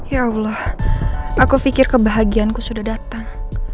ya allah aku pikir kebahagiaanku sudah datang